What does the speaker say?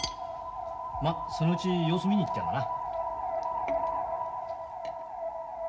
まっそのうち様子見に行ってやろうな。